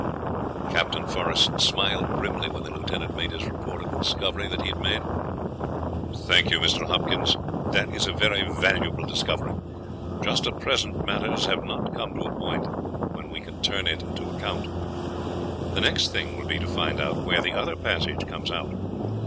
Captain Forest smiled grimly when the lieutenant made his report of the discovery that he had made. "Thank you, Mr. Hopkins; that is a very valuable discovery. Just at present matters have not come to a point when we can turn it to account. The next thing will be to find out where the other passage comes out.